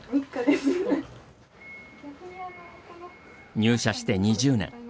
入社して２０年。